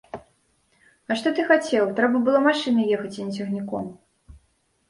А што ты хацеў, трэба было машынай ехаць, а не цягніком.